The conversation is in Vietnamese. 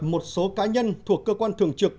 một số cá nhân thuộc cơ quan thường trực